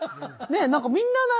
何かみんななれ。